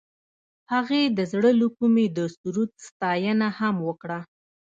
هغې د زړه له کومې د سرود ستاینه هم وکړه.